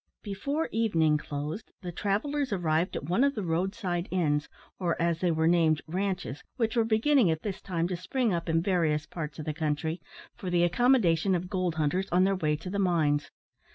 Before evening closed, the travellers arrived at one of the road side inns, or, as they were named, ranches, which were beginning at this time to spring up in various parts of the country, for the accommodation of gold hunters on their way to the mines.